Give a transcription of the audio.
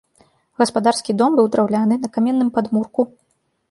Гаспадарскі дом быў драўляны, на каменным падмурку.